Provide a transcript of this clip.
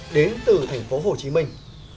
đến từ thành phố hồ chí minh